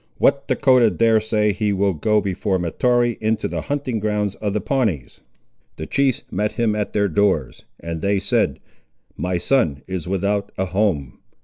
What Dahcotah dare say he will go before Mahtoree into the hunting grounds of the Pawnees? The chiefs met him at their doors, and they said, My son is without a home.